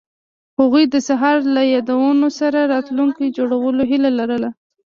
هغوی د سهار له یادونو سره راتلونکی جوړولو هیله لرله.